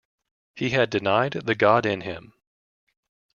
He had denied the God in him.